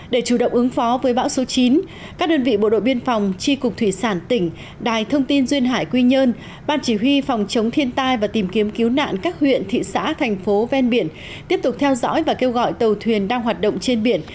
để chủ động ứng phó với bão số chín các đơn vị bộ đội biên phòng tri cục thủy sản tỉnh đài thông tin duyên hải quy nhơn ban chỉ huy phòng chống thiên tai và tìm kiếm cứu nạn các huyện thị xã thành phố ven biển tiếp tục theo dõi và kêu gọi tàu thuyền đang hoạt động trên biển